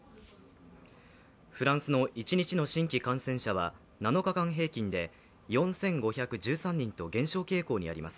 フランスの一日の新規感染者は７日間平均で４５１３人と減少傾向にあります。